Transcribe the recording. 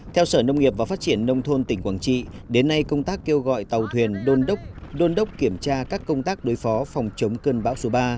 theo sở nông nghiệp và phát triển nông thôn tỉnh quảng trị đến nay công tác kêu gọi tàu thuyền đôn đốc đôn đốc kiểm tra các công tác đối phó phòng chống cơn bão số ba